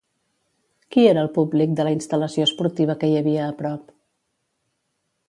Qui era el públic de la instal·lació esportiva que hi havia a prop?